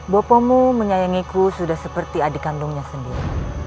bapakmu menyayangiku sudah seperti adik kandungnya sendiri